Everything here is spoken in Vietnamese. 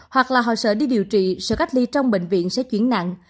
hoặc là họ sợ đi điều trị sở cách ly trong bệnh viện sẽ chuyển nặng